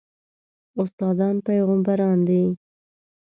استادان پېغمبران دي